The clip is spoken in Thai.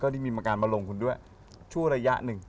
ได้มีมาการมาลงทุนด้วยชั่วระยะหนึ่ง